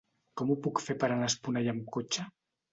Com ho puc fer per anar a Esponellà amb cotxe?